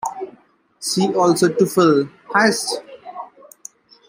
See also Teuffel, Hist.